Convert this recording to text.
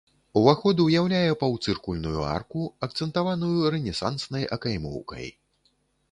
Уваход уяўляе паўцыркульную арку, акцэнтаваную рэнесанснай акаймоўкай.